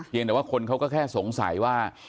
ยังแต่ว่าคนเขาก็แค่สงสัยว่า